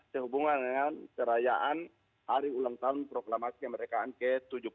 terhubungan dengan cerayaan hari ulang tahun proklamasi mereka ke tujuh puluh empat